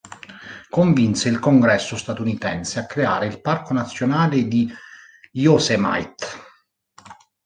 Convinse il Congresso statunitense a creare il Parco nazionale di Yosemite.